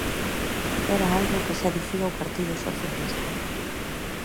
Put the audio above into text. Era algo que xa dicía o Partido Socialista.